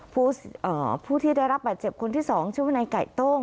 ผู้เอ่อผู้ที่ได้รับบาดเจ็บคนที่สองชื่อวนายไก่โต้ง